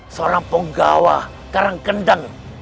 seorang punggawa karangkendang